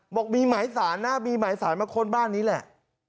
บอกมีหมายสารนะมีหมายสารมาค้นบ้านนี้แหละ